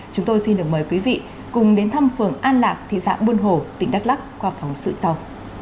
chúng tôi xin được mời quý vị cùng đến thăm phường an lạc thị xã buôn hồ tỉnh đắk lắc qua phóng sự sau